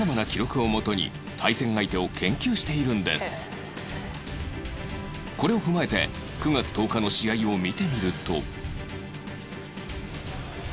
そのためこれを踏まえて９月１０日の試合を見てみると